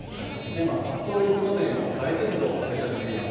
今、さっぽろ雪まつりの大雪像を製作しています。